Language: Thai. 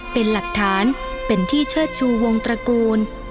เป็นหลักฐานเป็นที่เชิดชูวงตระกูล